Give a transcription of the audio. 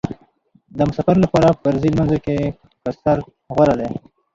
د مسافر لپاره په فرضي لمانځه کې قصر غوره دی